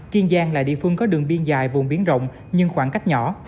kiên giang là địa phương có đường biên dài vùng biển rộng nhưng khoảng cách nhỏ